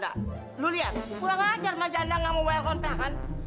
tidak mau bayar kontrakan